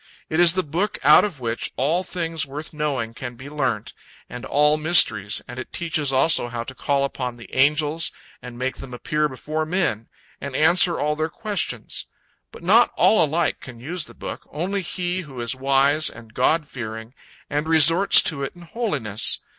It is the book out of which all things worth knowing can be learnt, and all mysteries, and it teaches also how to call upon the angels and make them appear before men, and answer all their questions. But not all alike can use the book, only he who is wise and God fearing, and resorts to it in holiness.